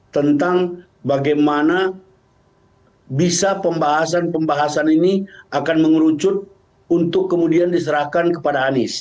tentang bagaimana bisa pembahasan pembahasan ini akan mengerucut untuk kemudian diserahkan kepada anies